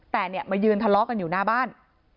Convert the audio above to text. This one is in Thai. แต่เนี่ยมายืนทะเลาะกันอยู่หน้าบ้าน